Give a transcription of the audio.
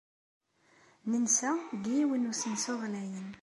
Nensa deg yiwen n usensu ɣlayen.